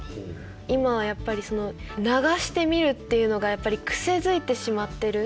今はやっぱり流して見るっていうのがやっぱり癖づいてしまってる。